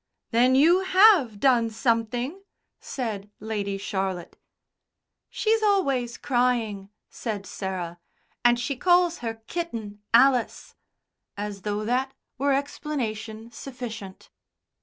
"Then you have done something?" said Lady Charlotte. "She's always crying," said Sarah, "and she calls her kitten Alice," as though that were explanation sufficient.